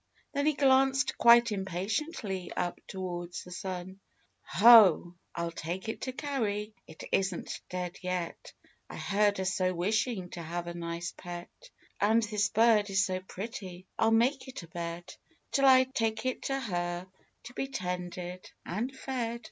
Then he glanced quite impatiently up towards the sun. " Ho ; I'll take it to Carrie. It isn't dead yet ; I heard her so wishing to have a nice pet ; And this bird is so pretty ; I'll make it a bed, Till I take it to her to be tended and fed."